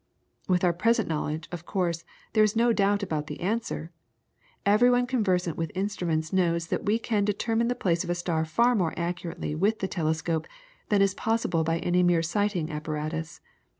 With our present knowledge, of course, there is no doubt about the answer; every one conversant with instruments knows that we can determine the place of a star far more accurately with the telescope than is possible by any mere sighting apparatus.